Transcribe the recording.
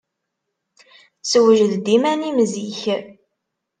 Sewjed-d iman-im zik.